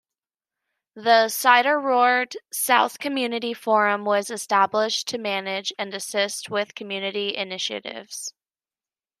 The Suideroord South Community Forum was established to manage and assist with community initiatives.